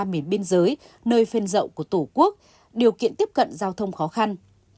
miền biên giới nơi phên dậu của tổ quốc điều kiện tiếp cận giao thông khó khăn